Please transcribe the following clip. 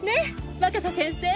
若狭先生！